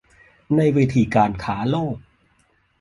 ในเวทีการค้าโลก